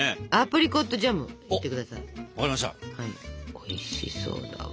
おいしそうだわ。